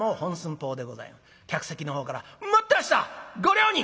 客席のほうから「待ってましたご両人！」